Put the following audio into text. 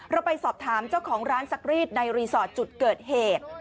เราไปสอบถามเจ้าของร้านซักรีดในรีสอร์ทจุดเกิดเหตุ